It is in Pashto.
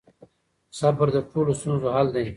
صبر د ټولو ستونزو حل دی.